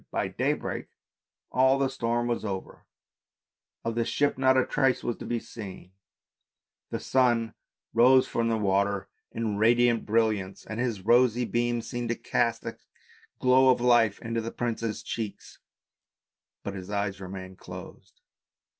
By daybreak all the storm was over, of the ship not a trace was to be seen ; the sun rose from the water in radiant brilliance, 8 ANDERSEN'S FAIRY TALES and his rosy beams seemed to cast a glow of life into the prince's cheeks, but his eyes remained closed.